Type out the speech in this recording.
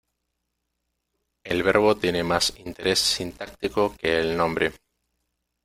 El verbo tiene más interés sintáctico que el nombre.